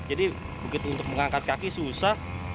jadi begitu untuk mengangkat kaki susah